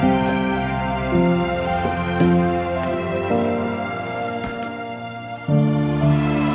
aku mau denger